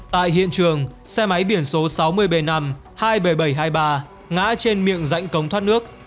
tại hiện trường xe máy biển số sáu mươi b năm hai mươi bảy nghìn bảy trăm hai mươi ba ngã trên miệng rãnh cống thoát nước